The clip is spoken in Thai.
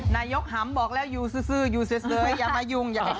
นายกหัมศ์บอกแล้วอยู่ซื้ออยู่ซื้ออย่ามายุ่งอย่าไปใกล้